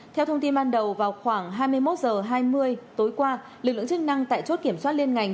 theo thông tin ban đầu vào khoảng hai mươi một h hai mươi tối qua lực lượng chức năng tại chốt kiểm soát liên ngành